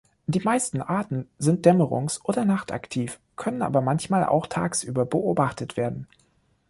Die meisten Arten sind dämmerungs- oder nachtaktiv, können aber manchmal auch tagsüber beobachtet werden.